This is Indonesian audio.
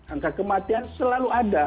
angka kematian selalu ada